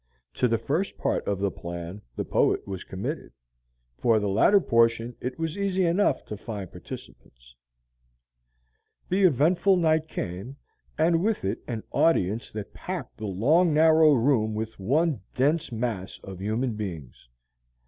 To the first part of the plan the poet was committed, for the latter portion it was easy enough to find participants. The eventful night came, and with it an audience that packed the long narrow room with one dense mass of human beings.